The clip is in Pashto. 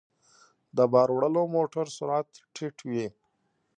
د بار وړلو موټر سرعت ټيټ وي.